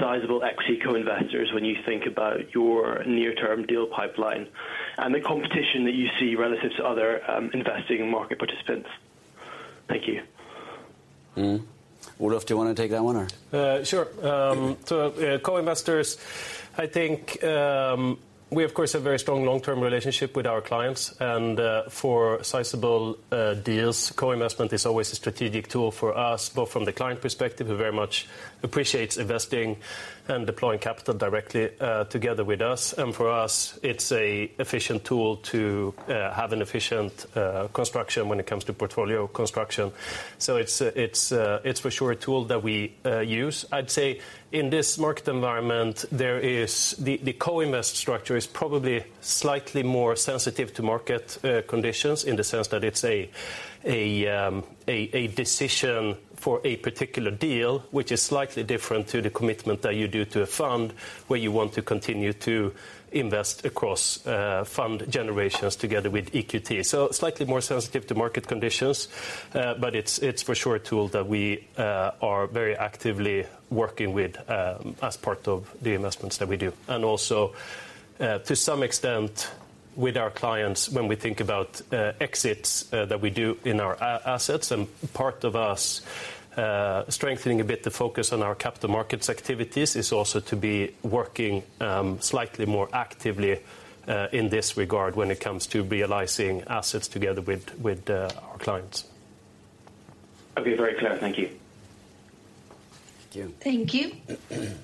sizable equity co-investors when you think about your near-term deal pipeline and the competition that you see relative to other investing and market participants? Thank you. Mm-hmm. Ulf, do you want to take that one or? Sure. Co-investors, I think, we of course have very strong long-term relationship with our clients, for sizable deals, co-investment is always a strategic tool for us, both from the client perspective who very much appreciates investing and deploying capital directly together with us. For us it's a efficient tool to have an efficient construction when it comes to portfolio construction. It's for sure a tool that we use. I'd say in this market environment the co-invest structure is probably slightly more sensitive to market conditions in the sense that it's a decision for a particular deal which is slightly different to the commitment that you do to a fund where you want to continue to invest across fund generations together with EQT. slightly more sensitive to market conditions, but it's for sure a tool that we are very actively working with as part of the investments that we do. to some extent, With our clients when we think about exits that we do in our assets, and part of us strengthening a bit the focus on our capital markets activities is also to be working slightly more actively in this regard when it comes to realizing assets together with our clients. Okay. Very clear. Thank you. Thank you. Thank you.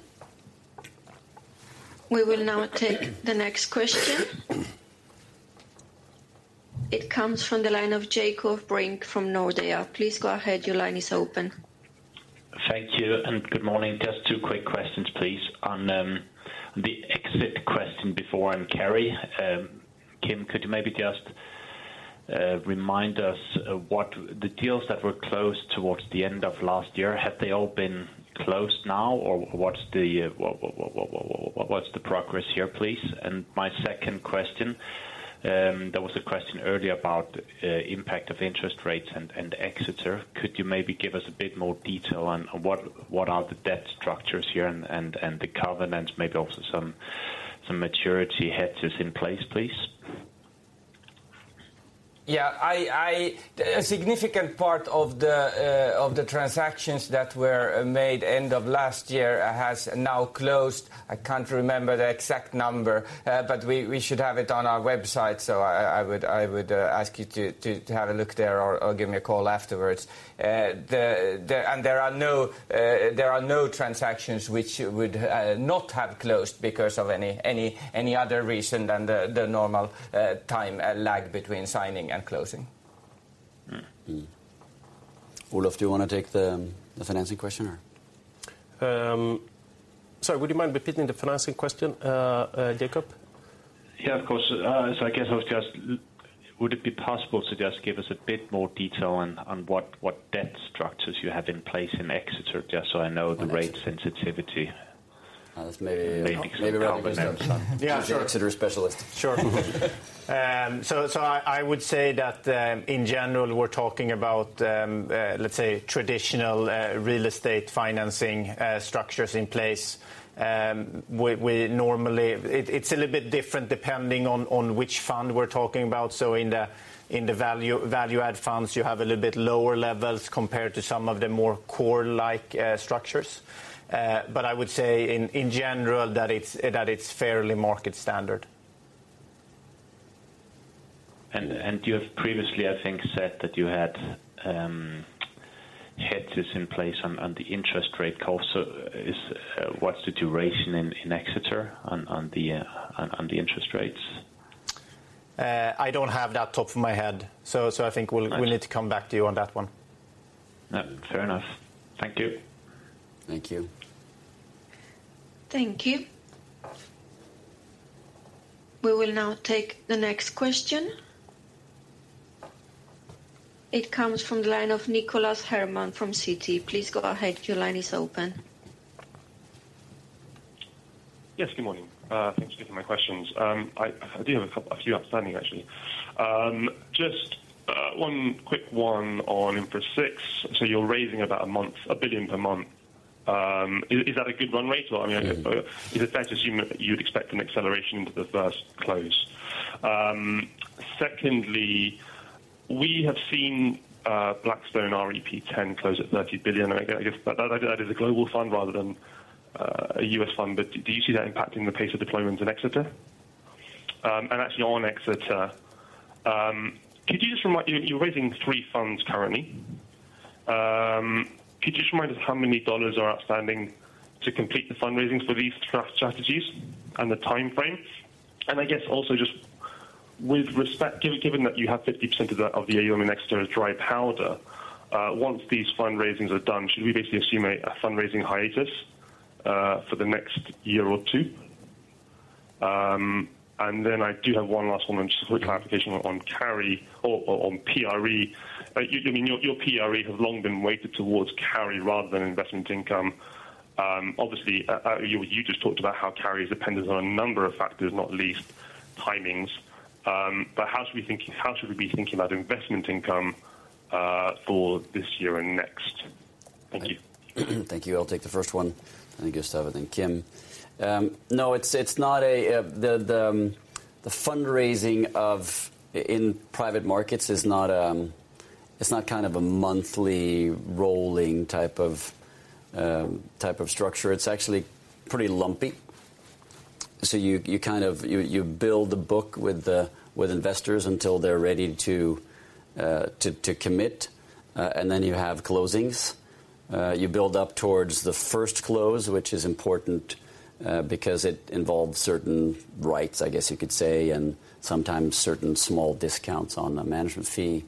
We will now take the next question. It comes from the line of Jacob Brink from SEB. Please go ahead. Your line is open. Thank you good morning. Just two quick questions, please, on the exit question before on carry. Kim, could you maybe just remind us of what the deals that were closed towards the end of last year, have they all been closed now, or what's the progress here, please? My second question, there was a question earlier about impact of interest rates and Exeter. Could you maybe give us a bit more detail on what are the debt structures here and the covenants, maybe also some maturity hedges in place, please? Yeah. I. A significant part of the transactions that were made end of last year has now closed. I can't remember the exact number, but we should have it on our website. I would ask you to have a look there or give me a call afterwards. There are no transactions which would not have closed because of any other reason than the normal time lag between signing and closing. Mm. Mm. Olof, do you want to take the financing question or? Sorry, would you mind repeating the financing question, Jacob? Yeah, of course. I guess I was just would it be possible to just give us a bit more detail on what debt structures you have in place in Exeter, just so I know the rate sensitivity? That's maybe- Maybe- Maybe for Gustav. Yeah. He's our Exeter specialist. Sure. I would say that, in general, we're talking about, let's say traditional, real estate financing structures in place. It's a little bit different depending on which fund we're talking about. In the value add funds, you have a little bit lower levels compared to some of the more core-like structures. I would say in general that it's fairly market standard. You have previously, I think, said that you had hedges in place on the interest rate cost. What's the duration in Exeter on the interest rates? I don't have that top of my head. I think. Right. We'll need to come back to you on that one. Fair enough. Thank you. Thank you. Thank you. We will now take the next question. It comes from the line of Nicholas Herman from Citi. Please go ahead. Your line is open. Yes. Good morning. Thanks for taking my questions. I do have a few outstanding, actually. Just one quick one on Infra VI. You're raising about a month, $1 billion per month. Is that a good run rate? Or, I mean, I guess, is it fair to assume that you'd expect an acceleration into the first close? Secondly, we have seen Blackstone REP 10 close at $30 billion. I guess that is a global fund rather than a US fund. Do you see that impacting the pace of deployment in Exeter? Actually on Exeter, could you just remind? You're raising three funds currently. Could you just remind us how many dollars are outstanding to complete the fundraising for these strategies and the timeframe? I guess also just with respect, given that you have 50% of the, of the AUM in Exeter as dry powder, once these fundraisings are done, should we basically assume a fundraising hiatus for the next year or two? Then I do have one last one on just a quick clarification on carry or on PRE. I mean, your PRE have long been weighted towards carry rather than investment income. Obviously, you just talked about how carry is dependent on a number of factors, not least timings. How should we be thinking about investment income for this year and next? Thank you. Thank you. I'll take the first one and then give to Gustav and then Kim. No, it's not a. The fundraising in private markets is not kind of a monthly rolling type of structure. It's actually pretty lumpy. You kind of, you build the book with investors until they're ready to commit, and then you have closings. You build up towards the first close, which is important, because it involves certain rights, I guess you could say, and sometimes certain small discounts on the management fee.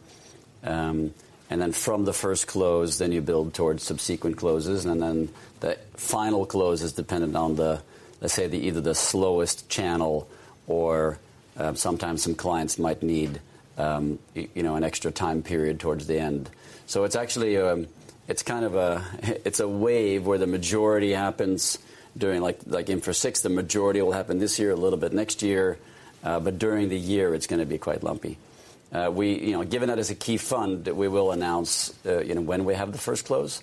From the first close, then you build towards subsequent closes, and then the final close is dependent on the, let's say, the either the slowest channel or sometimes some clients might need, you know, an extra time period towards the end. It's actually, it's kind of a, it's a wave where the majority happens during like Infra VI, the majority will happen this year, a little bit next year, but during the year, it's going to be quite lumpy. We, you know, given that is a key fund, we will announce, you know, when we have the first close.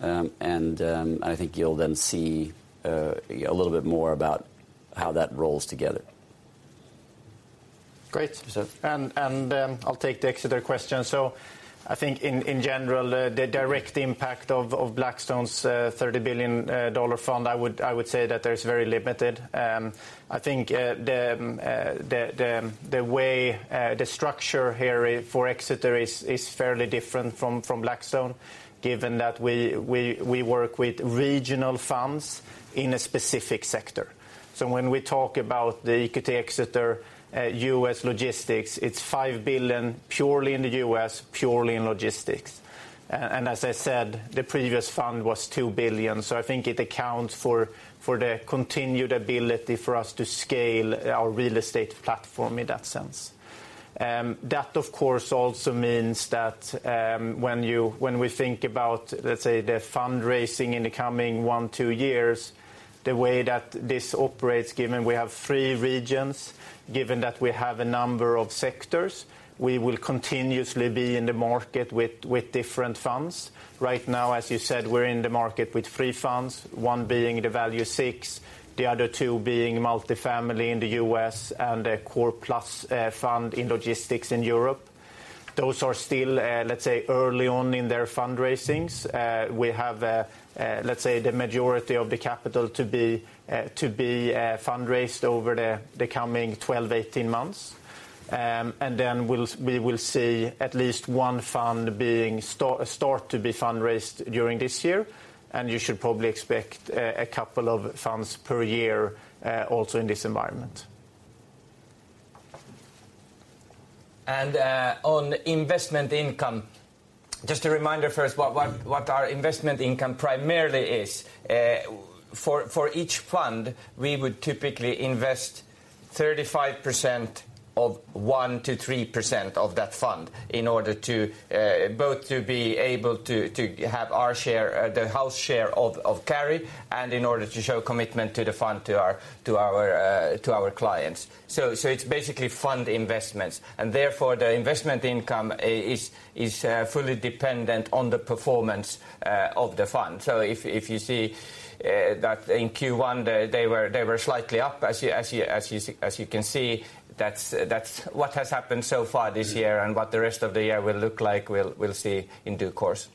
And I think you'll then see a little bit more about how that rolls together. Great. I'll take the EQT Exeter question. I think in general, the direct impact of Blackstone's $30 billion fund, I would say that there is very limited. I think the way the structure here for EQT Exeter is fairly different from Blackstone given that we work with regional funds in a specific sector. When we talk about the EQT Exeter US Logistics, it's $5 billion purely in the US, purely in logistics. As I said, the previous fund was $2 billion. I think it accounts for the continued ability for us to scale our real estate platform in that sense. That of course also means that when we think about the fundraising in the coming one, two years, the way that this operates, given we have three regions, given that we have a number of sectors, we will continuously be in the market with different funds. Right now, as you said, we're in the market with three funds, one being the Value VI, the other two being Multifamily in the US and the Core-Plus fund in logistics in Europe. Those are still early on in their fundraisings. We have the majority of the capital to be fundraised over the coming 12, 18 months. And then we will see at least one fund being start to be fundraised during this year. You should probably expect a couple of funds per year, also in this environment. On investment income, just a reminder first what our investment income primarily is. For each fund, we would typically invest 35% of 1% to 3% of that fund in order to both to be able to have our share, the house share of carry and in order to show commitment to the fund, to our, to our, to our clients. It's basically fund investments, and therefore, the investment income is fully dependent on the performance of the fund. If you see that in Q1, they were slightly up, as you can see, that's what has happened so far this year and what the rest of the year will look like we'll see in due course.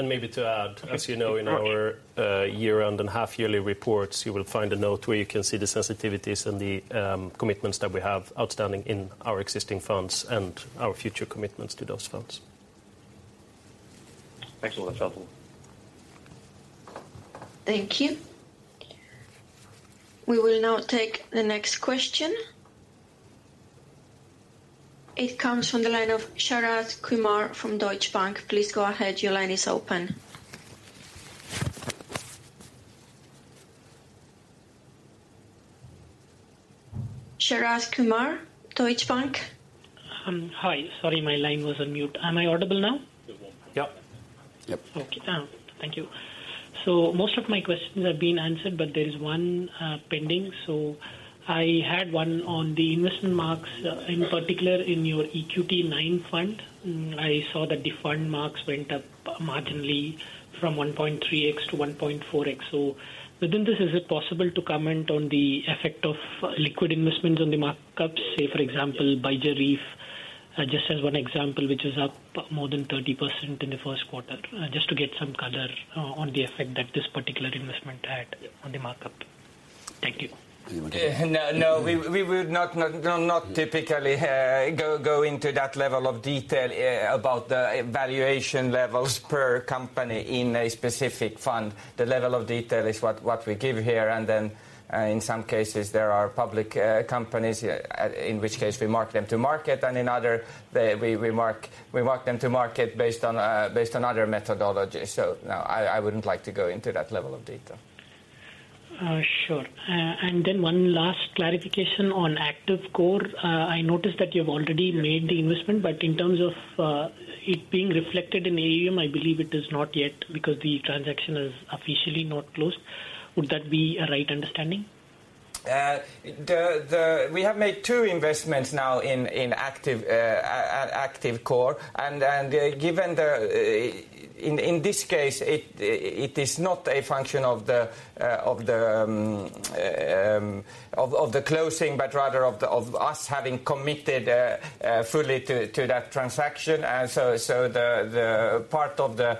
Maybe to add, as you know, in our year end and half yearly reports, you will find a note where you can see the sensitivities and the commitments that we have outstanding in our existing funds and our future commitments to those funds. Thanks a lot. Thank you. We will now take the next question. It comes from the line of Sharad Kumar from Deutsche Bank. Please go ahead. Your line is open. Sharad Kumar, Deutsche Bank. Hi. Sorry, my line was on mute. Am I audible now? Yep. Yep. Okay. Thank you. Most of my questions have been answered, but there is one pending. I had one on the investment marks, in particular in your EQT IX fund. I saw that the fund marks went up marginally from 1.3x to 1.4x. Within this, is it possible to comment on the effect of liquid investments on the markups, say for example, by Juf, just as one example, which is up more than 30% in the Q1? Just to get some color on the effect that this particular investment had on the markup. Thank you. No, we would not typically go into that level of detail about the valuation levels per company in a specific fund. The level of detail is what we give here. In some cases, there are public companies, in which case we mark them to market, and in other, we mark them to market based on other methodologies. No, I wouldn't like to go into that level of detail. Sure. One last clarification on Active Core. I noticed that you've already made the investment, but in terms of it being reflected in AUM, I believe it is not yet because the transaction is officially not closed. Would that be a right understanding? We have made two investments now in active at Active Core. Given the in this case, it is not a function of the closing, but rather of us having committed fully to that transaction. The part of the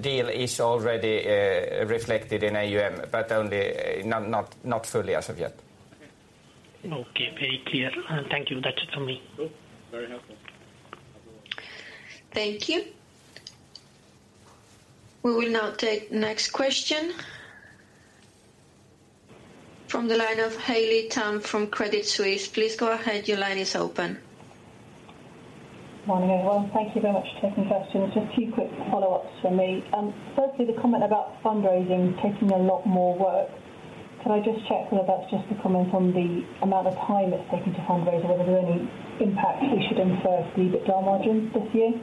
deal is already reflected in AUM, but only not fully as of yet. Okay. Very clear. Thank you. That's it from me. Cool. Very helpful. Thank you. We will now take next question from the line of Haley Tam from Credit Suisse. Please go ahead. Your line is open. Morning, everyone. Thank you very much for taking the question. Just a few quick follow-ups from me. Firstly, the comment about fundraising taking a lot more work. Can I just check whether that's just a comment on the amount of time it's taking to fundraise or whether there are any impacts we should infer to EBITDA margins this year?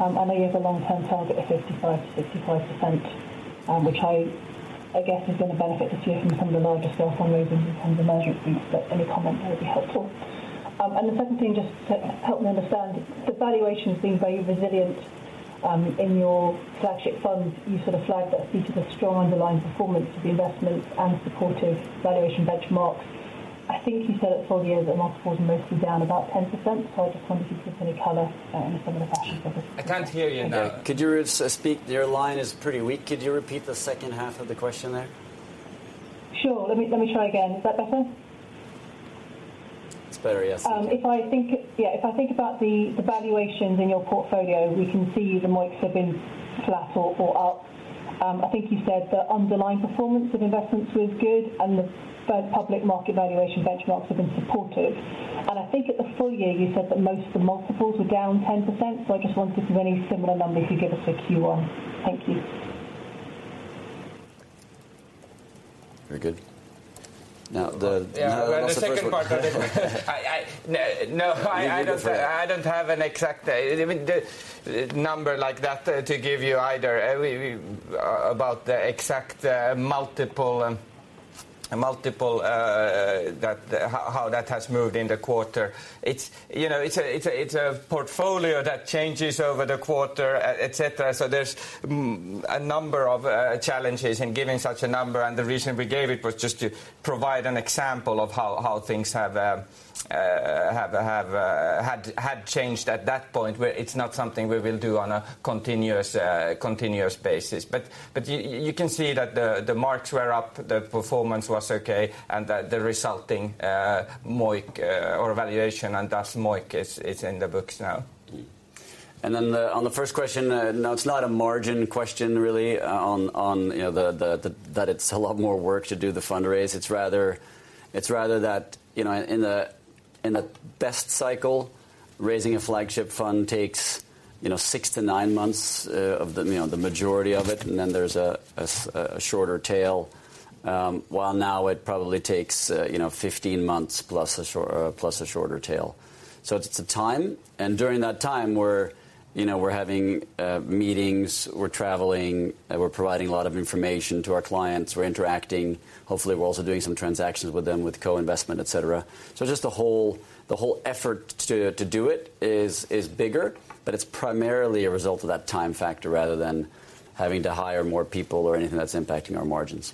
I know you have a long-term target of 55% to 65%, which I guess is going to benefit this year from some of the larger self-fundraisings and some of the merger fees, but any comment there would be helpful. The second thing, just to help me understand the valuations being very resilient, in your flagship funds, you sort of flagged that due to the strong underlying performance of the investments and supportive valuation benchmarks. I think you said at four years that multiples are mostly down about 10%. I just wondered if you had any color in some of the fashion focus. I can't hear you, no. Could you re-speak? Your line is pretty weak. Could you repeat the second half of the question there? Sure. Let me try again. Is that better? It's better, yes. If I think about the valuations in your portfolio, we can see the MOICs have been flat or up. I think you said the underlying performance of investments was good and the public market valuation benchmarks have been supported. I think at the full year you said that most of the multiples were down 10%, I just wondered if any similar numbers you could give us for Q1. Thank you. Very good. The second part of it I don't have an exact number like that to give you either. We about the exact multiple and multiple that how that has moved in the quarter. It's, you know, it's a portfolio that changes over the quarter, et cetera. There's a number of challenges in giving such a number. The reason we gave it was just to provide an example of how things have changed at that point, where it's not something we will do on a continuous basis. You can see that the marks were up, the performance was okay, and that the resulting MOIC or valuation and thus MOIC is in the books now. The on the first question, no, it's not a margin question really on, you know, that it's a lot more work to do the fundraise. It's rather that, you know, in the, in a best cycle, raising a flagship fund takes, you know, 6 to 9 months, of the, you know, the majority of it, and then there's a shorter tail. While now it probably takes, you know, 15 months plus a shorter tail. It's a time, and during that time we're, you know, we're having meetings, we're traveling, we're providing a lot of information to our clients, we're interacting. Hopefully, we're also doing some transactions with them with co-investment, et cetera. Just the whole effort to do it is bigger, but it's primarily a result of that time factor rather than having to hire more people or anything that's impacting our margins.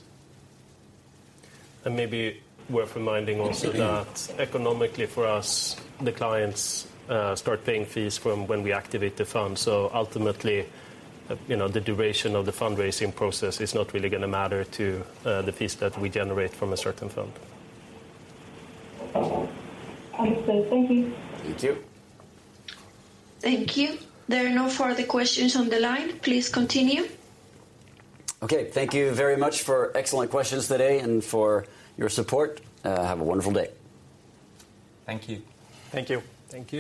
Maybe worth reminding also that economically for us, the clients start paying fees from when we activate the fund. Ultimately, you know, the duration of the fundraising process is not really gonna matter to the fees that we generate from a certain fund. Understood. Thank you. Thank you. Thank you. There are no further questions on the line. Please continue. Okay. Thank you very much for excellent questions today and for your support. Have a wonderful day. Thank you. Thank you. Thank you.